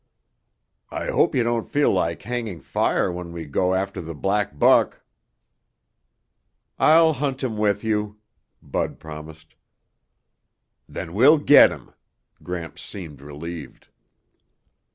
"I hope you don't feel like hanging fire when we go after the black buck." "I'll hunt him with you," Bud promised. "Then we'll get him." Gramps seemed relieved.